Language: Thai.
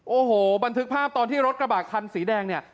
โอ้โหบันทึกภาพตอนที่รถกระบะคันสีแดงเนี่ย